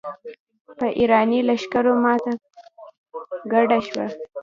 په اېراني لښکرو ماته ګډه شوه.